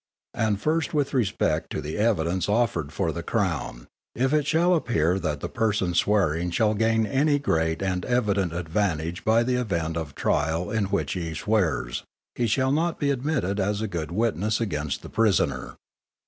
And first with respect to the evidence offered for the Crown; if it shall appear that the person swearing shall gain any great and evident advantage by the event of the trial in which he swears, he shall not be admitted as a good witness against the prisoner.